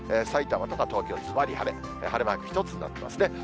埼玉とか東京、ずばり晴れ、晴れマーク１つになってますね。